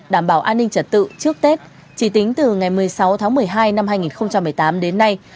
đảm bảo an ninh trật tự trước tết chỉ tính từ ngày một mươi sáu tháng một mươi hai năm hai nghìn một mươi tám đến nay